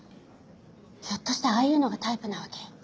ひょっとしてああいうのがタイプなわけ？